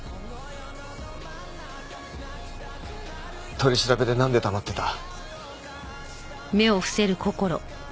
取り調べでなんで黙ってた？